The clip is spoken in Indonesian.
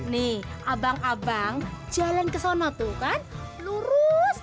nih abang abang jalan ke sana tuh kan lurus